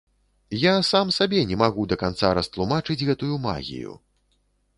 Я сам сабе не магу да канца растлумачыць гэтую магію.